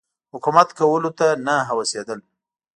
حکومت کولو ته نه هوسېدل.